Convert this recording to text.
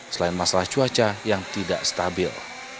selain masalah cuaca yang tidak stabil